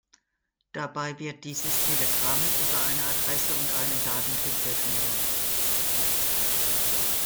Dabei wird dieses Telegramm über eine Adresse und einen Datentyp definiert.